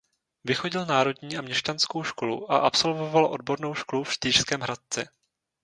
Vychodil národní a měšťanskou školu a absolvoval odbornou školu v Štýrském Hradci.